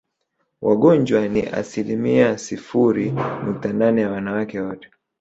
Wagonjwa ni asilimia sifuri nukta nane ya wanawake wote